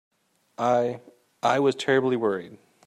I—I was terribly worried.